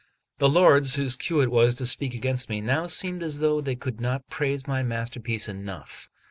The lords whose cue it was to speak against me, now seemed as though they could not praise my masterpiece enough.